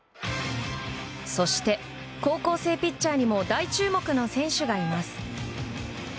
そして高校生ピッチャーにも大注目の選手がいます。